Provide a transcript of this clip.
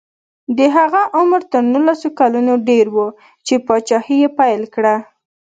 د هغه عمر تر نولس کلونو ډېر نه و چې پاچاهي یې پیل کړه.